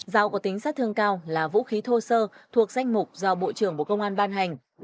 dao có tính sát thương cao là vũ khí thô sơ thuộc danh mục do bộ trưởng bộ công an ban hành